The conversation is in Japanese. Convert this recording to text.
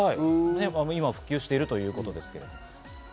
今、復旧しているということですけれども。